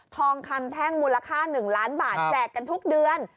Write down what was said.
ทองคำแท่งมูลค่า๑ล้านบาทแจกกันทุกเดือน